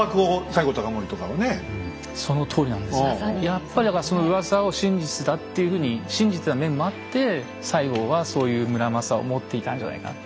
やっぱりだからそのうわさを真実だっていうふうに信じてた面もあって西郷はそういう村正を持っていたんじゃないかな。